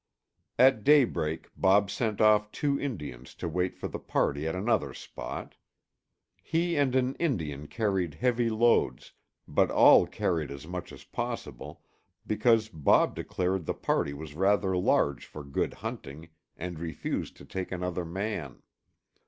At daybreak Bob sent off two Indians to wait for the party at another spot. He and an Indian carried heavy loads, but all carried as much as possible, because Bob declared the party was rather large for good hunting and refused to take another man.